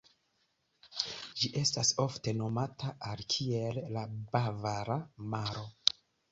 Ĝi estas ofte nomata al kiel la "Bavara Maro".